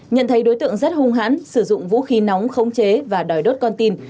nhận thấy đối tượng rất hung hãn sử dụng vũ khí nóng khống chế và đòi đốt con tim